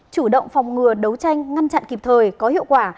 chủ động phòng ngừa đấu tranh ngăn chặn kịp thời có hiệu quả